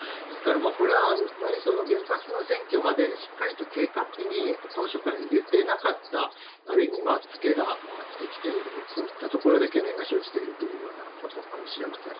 ですからこれは、あまり原発の占拠までしっかりと計画に当初から入れてなかった、ある意味付けが回ってきている、そういったところで懸念が生じているというようなことかもしれま